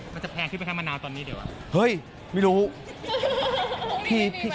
มันจะแพงที่แพ้แค่มะนาวตอนนี้เดี๋ยวอ่ะ